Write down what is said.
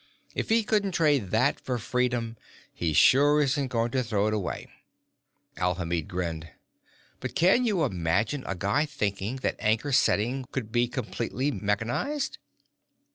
If he couldn't trade that for freedom, he sure isn't going to throw it away." Alhamid grinned. "But can you imagine a guy thinking that anchor setting could be completely mechanized?"